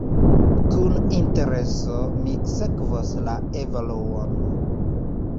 Kun intereso mi sekvos la evoluon.